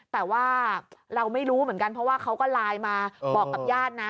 แต่ว่าเราไม่รู้เหมือนกันเพราะว่าเขาก็ไลน์มาบอกกับญาตินะ